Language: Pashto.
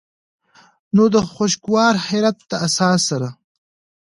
نو د خوشګوار حېرت د احساس سره